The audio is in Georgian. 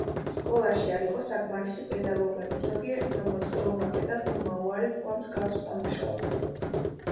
სკოლაში არ იყო საკმარისი პედაგოგები, ზოგიერთმა მოწვეულმა პედაგოგმა უარი თქვა მსგავს სამუშაოზე.